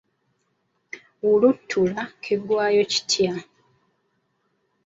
Wulutuwulutu kiggwayo kitya?